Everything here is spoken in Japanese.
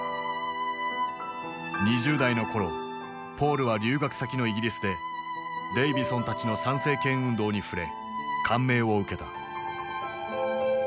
２０代の頃ポールは留学先のイギリスでデイヴィソンたちの参政権運動に触れ感銘を受けた。